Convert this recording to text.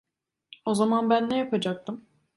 O zaman ben ne yapacaktım?